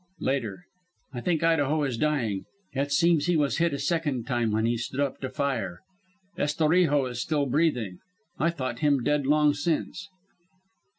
"Later. I think Idaho is dying. It seems he was hit a second time when he stood up to fire. Estorijo is still breathing; I thought him dead long since.